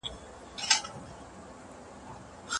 څېړونکي د وینې په دوام کار کوي.